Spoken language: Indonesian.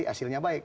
jadi hasilnya baik